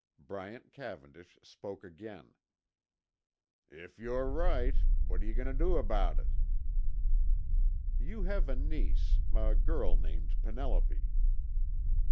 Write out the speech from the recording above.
Bryant Cavendish spoke again. "If you're right, what're you goin' to do about it?" "You have a niece, a girl named Penelope."